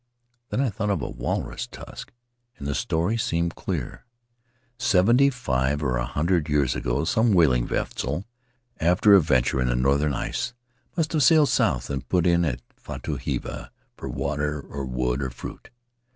Then I thought of a walrus tusk, and the story seemed clear. Seventy five or a hundred years ago some whaling vessel, after a venture in the northern ice, must have sailed south and put in at Fatu Kiva for water or wood or fruit.